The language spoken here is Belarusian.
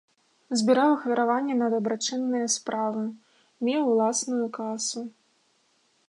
Збіраў ахвяраванні на дабрачынныя справы, меў уласную касу.